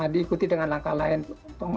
diikuti dengan langkah lain